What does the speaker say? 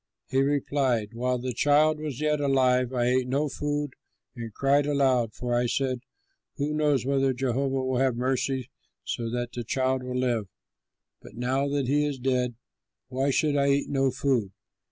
He replied, "While the child was yet alive, I ate no food and cried aloud, for I said, 'Who knows whether Jehovah will have mercy, so that the child will live?' But now that he is dead, why should I eat no food?